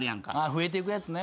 増えてくやつね。